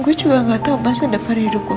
gua ga tau masa depan hidup gue